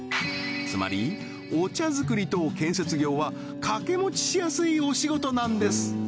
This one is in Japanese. つまりお茶作りと建設業は掛け持ちしやすいお仕事なんです